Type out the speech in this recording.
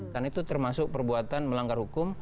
karena itu termasuk perbuatan melanggar hukum